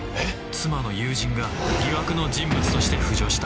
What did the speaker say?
妻の友人が疑惑の人物として浮上した